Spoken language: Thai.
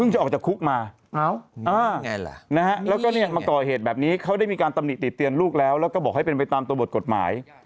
จะออกจากคุกมาแล้วก็มาก่อเหตุแบบนี้เขาได้มีการตำหนิติเตียนลูกแล้วแล้วก็บอกให้เป็นไปตามตัวบทกฎหมาย